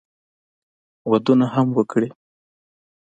ودونه هم وکړي.